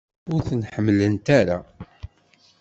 Ur ten-ḥemmlent ara?